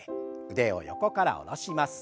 腕を横から下ろします。